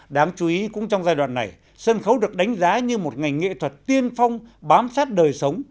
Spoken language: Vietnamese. đáng chú ý cũng trong giai đoạn này sân khấu được đánh giá như một ngành nghệ thuật tiên phong bám sát đời sống